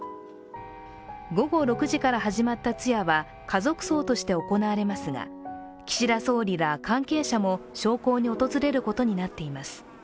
午後６時から始まった通夜は家族葬として行われますが岸田総理ら関係者も焼香に訪れることになっています。